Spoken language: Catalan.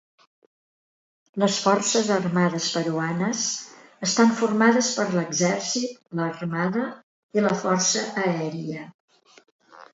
Les Forces Armades peruanes estan formades per l'Exèrcit, l'Armada i la Força aèria.